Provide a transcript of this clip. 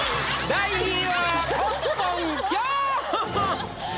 第２位はコットンきょん！